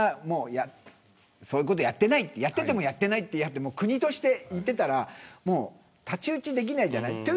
もうそういうことやってないってやっててもやってないって言い張って、国として言ってたらもう太刀打ちできないじゃない。